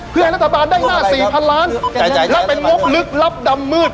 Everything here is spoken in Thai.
เพื่อให้รัฐบาลได้หน้าสี่พันล้านและเป็นงบลึกลับดำมืด